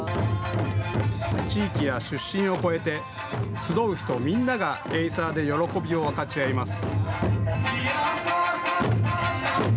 地域や出身を超えて集う人みんながエイサーで喜びを分かち合います。